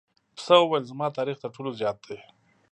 پسه وویل زما تاریخ تر ټولو زیات دی.